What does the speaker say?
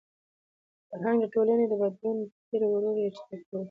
فرهنګ د ټولني د بدلون بهیر ورو يا چټک کوي.